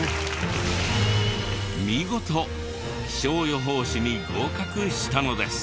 見事気象予報士に合格したのです。